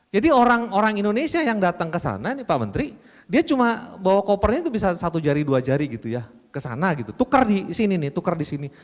jadi orang indonesia yang datang ke sana ini pak menteri dia cuma bawa kopernya bisa satu jari dua jari gitu ya kesana gitu tukar di sini nih tukar di sini